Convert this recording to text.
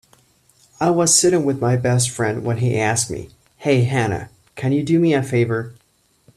I was sitting with my best friend when he asked me, "Hey Hannah, can you do me a favor?"